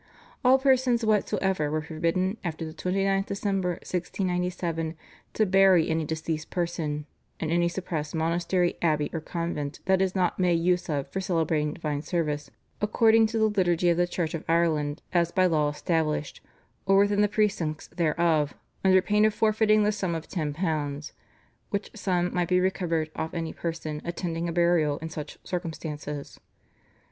All persons whatsoever were forbidden after the 29th December 1697, to bury any deceased person "in any suppressed monastery, abbey, or convent, that is not made use of for celebrating divine service, according to the liturgy of the Church of Ireland as by law established, or within the precincts thereof, under pain of forfeiting the sum of ten pounds," which sum might be recovered off any person attending a burial in such circumstances.